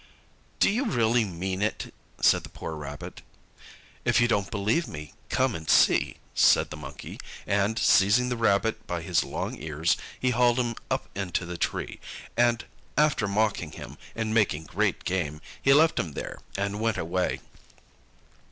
"Do you really mean it?" said the poor Rabbit. "If you don't believe me, come and see," said the Monkey, and seizing the Rabbit by his long ears, he hauled him up into the tree; and after mocking him, and making great game, he left him there, and went away.